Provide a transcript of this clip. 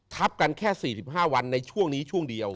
กันแค่๔๕วันในช่วงนี้ช่วงเดียว